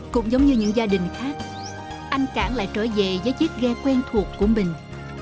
cũng giống như những gia đình khác anh cảng lại trở về với chiếc ghe quen thuộc của mình